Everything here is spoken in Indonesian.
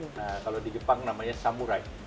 nah kalau di jepang namanya samurai